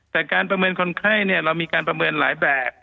แต่การประเมินคนไข้เรามีการประเมินหลายแบบ